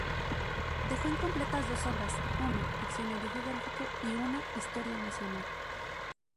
Dejó incompletas dos obras, un "Diccionario Geográfico" y una "Historia Nacional".